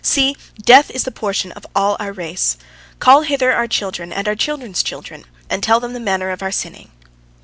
See, death is the portion of all our race! Call hither our children and our children's children, and tell them the manner of our sinning."